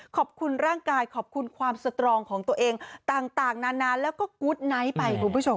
ขอบคุณร่างกายขอบคุณความสตรองของตัวเองต่างนานแล้วก็กูธไนท์ไปคุณผู้ชม